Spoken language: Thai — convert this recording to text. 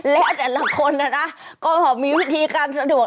และแต่ละคนนะนะก็มีวิธีการสะดวก